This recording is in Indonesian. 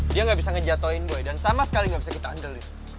dia gak bisa ngejatohin gue dan sama sekali gak bisa kita handle